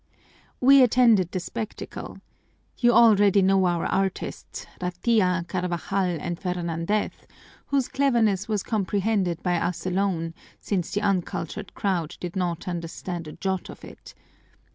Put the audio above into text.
"We attended the spectacle. You already know our artists, Ratia, Carvajal, and Fernandez, whose cleverness was comprehended by us alone, since the uncultured crowd did not understand a jot of it.